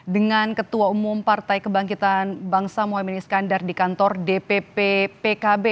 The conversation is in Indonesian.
dengan ketua umum partai kebangkitan bangsa mohaimin iskandar di kantor dpp pkb